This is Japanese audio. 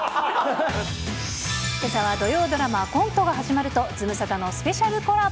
けさは土曜ドラマ、コントが始まるとズムサタのスペシャルコラボ